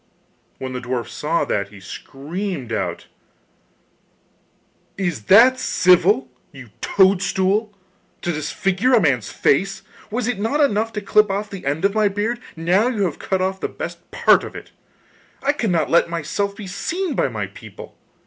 When the dwarf saw that he screamed out: 'Is that civil, you toadstool, to disfigure a man's face? Was it not enough to clip off the end of my beard? Now you have cut off the best part of it. I cannot let myself be seen by my people.